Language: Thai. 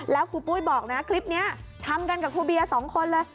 แล้วครูปุ้ยบอกนะคลิปนี้ทำกันกับครูเบียร์๒คนเลย